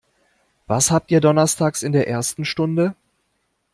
Was habt ihr donnerstags in der ersten Stunde?